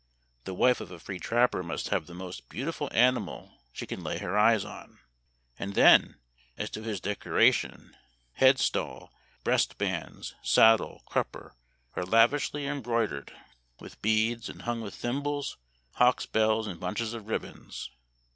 The wife of a free trapper must have the most beautiful animal she can lay her eyes on. And then as to his decoration : head stall, breast bands, saddle, crupper, are lavishly embroidered 240 Memoir of Washington Irving. with beads, and hung with thimbles, hawks' bells, and bunches of ribbons.